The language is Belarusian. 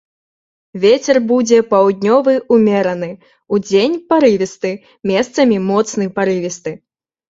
Вецер будзе паўднёвы ўмераны, удзень парывісты, месцамі моцны парывісты.